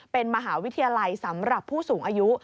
เป็นมหาวิทยาลัยสำหรับผู้สูงอายุ